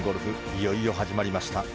いよいよ始まりました。